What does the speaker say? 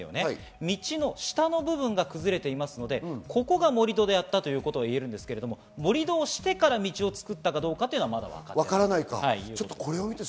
道の下の部分が崩れているのでここが盛り土であったということは言えますが、盛り土をしてから道を作ったかどうかは分かっていません。